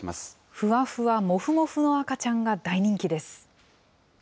ふわふわ、もふもふの赤ちゃんが大人気です。